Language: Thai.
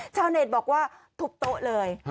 ชาวเน็ตบอกว่าทุบโต๊ะเลย